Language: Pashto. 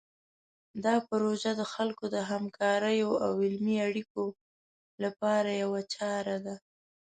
دا پروژه د خلکو د همکاریو او علمي اړیکو لپاره یوه چاره ده.